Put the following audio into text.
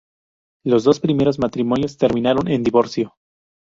Los dos primeros matrimonios terminaron en divorcio.